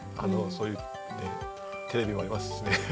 そういうテレビもありますしね。